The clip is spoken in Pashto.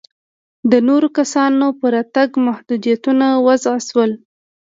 د نورو کسانو پر راتګ محدودیتونه وضع شول.